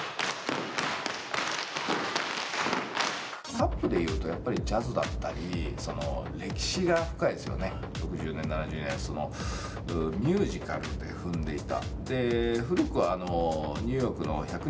タップでいうとやっぱりジャズだったり６０年７０年そのミュージカルで踏んでいた。